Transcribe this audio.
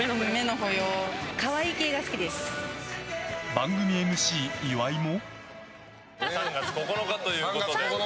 番組ＭＣ岩井も。